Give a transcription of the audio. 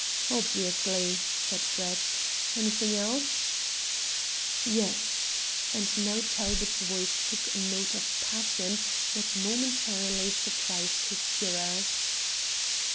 "Obviously!" said Brett. "Anything else?" "Yes," and now Talbot's voice took a note of passion that momentarily surprised his hearers.